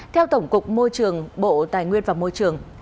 theo tổng cục môi trường bộ tài nguyên và môi trường